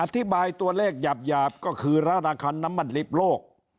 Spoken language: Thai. อธิบายตัวเลขหยาบก็คือราคาน้ำมันดิบโลก